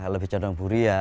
lebih condong ke buria